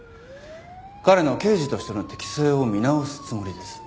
彼の刑事としての適性を見直すつもりです。